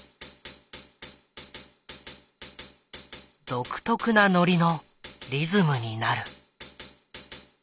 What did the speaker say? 独特なノリのリズムになる。